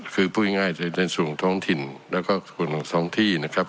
คือพูดง่ายในส่วนท้องถิ่นแล้วก็ส่วนของท้องที่นะครับ